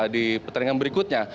di pertandingan berikutnya